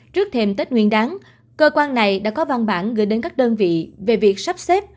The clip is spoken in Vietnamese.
trước thêm tết nguyên đáng cơ quan này đã có văn bản gửi đến các đơn vị về việc sắp xếp